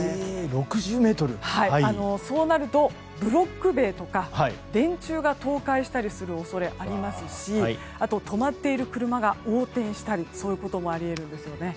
そうなるとブロック塀とか電柱が倒壊したりする恐れがありますしあと止まっている車が横転したり、そういうこともあり得るんですね。